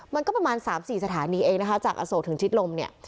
มันก็ประมาณ๓๔สถานีเองนะคะจากอโศกถึงชิดลมเนี่ย